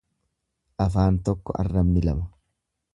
Afaan tokko arrabni lama.